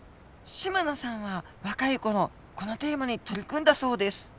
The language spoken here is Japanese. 島野さんは若い頃このテーマに取り組んだそうです。